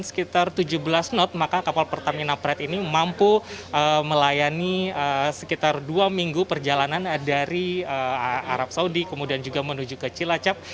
sekitar tujuh belas knot maka kapal pertamina pret ini mampu melayani sekitar dua minggu perjalanan dari arab saudi kemudian juga menuju ke cilacap